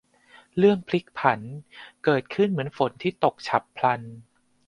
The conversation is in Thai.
เรื่องพลิกผันเกิดขึ้นเหมือนฝนที่ตกฉับพลัน